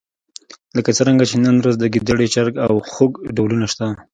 لکه څرنګه چې نن ورځ د ګېدړې، چرګ او خوګ څو ډولونه شته.